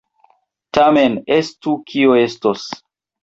Tamen estu, kio estos!